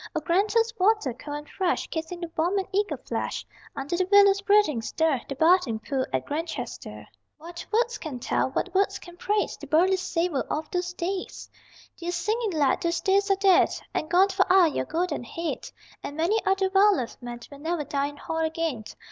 O Granta's water, cold and fresh, Kissing the warm and eager flesh Under the willow's breathing stir The bathing pool at Grantchester.... What words can tell, what words can praise The burly savor of those days! Dear singing lad, those days are dead And gone for aye your golden head; And many other well loved men Will never dine in Hall again.